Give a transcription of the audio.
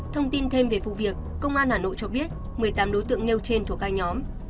thông tin thêm về vụ việc công an hà nội cho biết một mươi tám đối tượng nêu trên thuộc hai nhóm